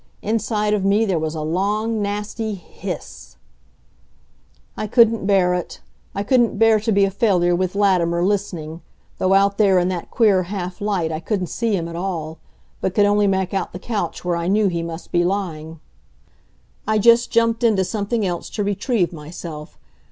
Inside of me there was a long, nasty hiss ss ss! I couldn't bear it. I couldn't bear to be a failure with Latimer listening, though out there in that queer half light I couldn't see him at all, but could only make out the couch where I knew he must be lying. I just jumped into something else to retrieve myself.